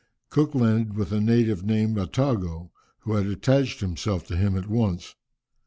Cook landed with a native named Attago, who had attached himself to him at once.